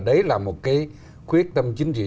đấy là một cái quyết tâm chính trị